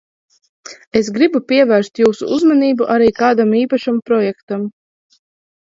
Es gribu pievērst jūsu uzmanību arī kādam īpašam projektam.